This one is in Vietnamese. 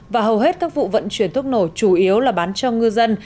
và hầu hết các vụ vận chuyển thuốc nổ chủ yếu là bán cho ngư dân